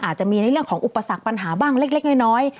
อาจจะมีในเรื่องของอุปสรรคปัญหาบ้างเล็กน้อย